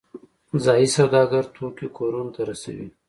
ځایی سوداګر توکي کورونو ته رسوي